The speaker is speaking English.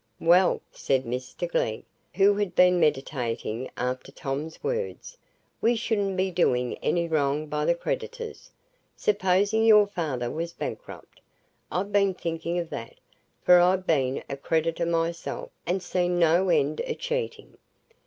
"Well," said Mr Glegg, who had been meditating after Tom's words, "we shouldn't be doing any wrong by the creditors, supposing your father was bankrupt. I've been thinking o' that, for I've been a creditor myself, and seen no end o' cheating.